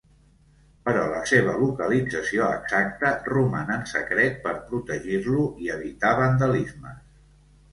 Però la seva localització exacta roman en secret per protegir-lo i evitar vandalismes.